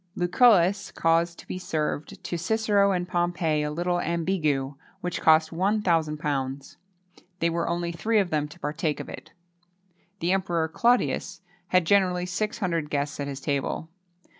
Lucullus caused to be served to Cicero and Pompey a little ambigu, which cost £1,000. There were only three of them to partake of it! The Emperor Claudius had generally six hundred guests at his table.